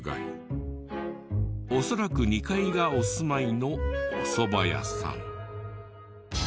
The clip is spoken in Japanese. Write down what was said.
恐らく２階がお住まいのおそば屋さん。